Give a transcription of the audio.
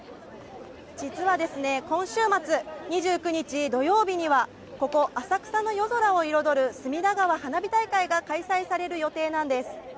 実は今週末、２９日土曜日にはここ浅草の夜空を彩る隅田川花火大会が開催される予定なんです。